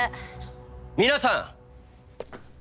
皆さん！